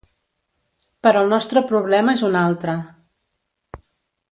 Però el nostre problema és un altre.